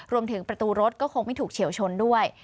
รวมถึงประตูรถก็คงไม่ถูกเฉียวชนด้วย